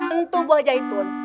untuk buah jahitun